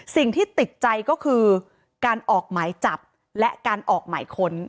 สิ่งที่ติดใจก็คือการออกหมายจับและการออกหมายค้น